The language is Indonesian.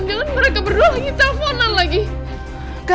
dewa kok gak hubungin aku lagi ya